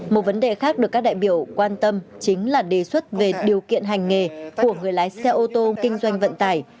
một vấn đề khác được các đại biểu quan tâm chính là đề xuất về điều kiện hành nghề của người lái xe ô tô kinh doanh vận tải